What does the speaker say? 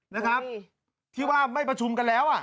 นะครับที่ว่าไม่ประชุมกันแล้วอ่ะ